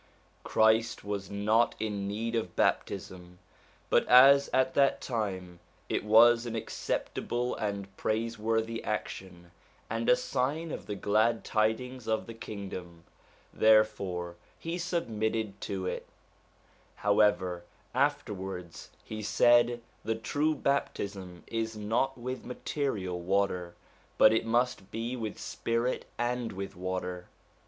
Christ was not in need of baptism; but as at that time it was an acceptable and praiseworthy action, and a sign of the glad tidings of the Kingdom, therefore he submitted to it However, afterwards he said the true baptism is not with material water, but it must be with spirit and with water.